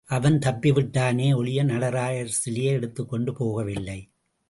அவன் தப்பிவிட்டானே ஒழிய நடராஜர் சிலையை எடுத்துக்கொண்டு போகவில்லை.